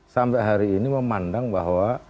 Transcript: sampai hari ini memandang bahwa